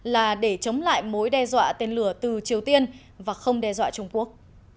là để chống lại mối đe dọa tên lửa từ triều tiên và không đe dọa trung quốc